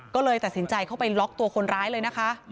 ก็เลยตัดสินใจเข้าไปล็อกตัวคนร้ายเลยนะคะ